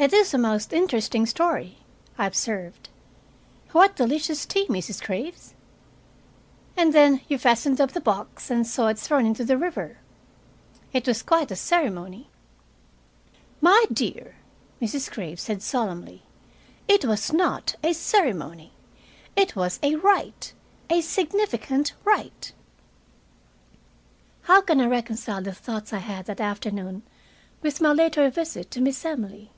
"It is a most interesting story," I observed. "What delicious tea, Mrs. Graves! And then you fastened up the box and saw it thrown into the river. It was quite a ceremony." "My dear," Mrs. Graves said solemnly, "it was not a ceremony. It was a rite a significant rite." How can I reconcile the thoughts I had that afternoon with my later visit to Miss Emily?